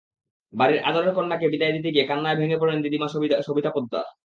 বাড়ির আদরের কন্যাকে বিদায় দিতে গিয়ে কান্নায় ভেঙে পড়েন দিদিমা সবিতা পোদ্দার।